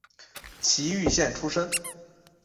崎玉县出身。